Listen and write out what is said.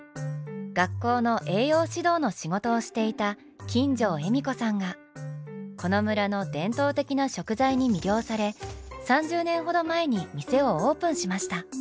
学校の栄養指導の仕事をしていた金城笑子さんがこの村の伝統的な食材に魅了され３０年ほど前に店をオープンしました。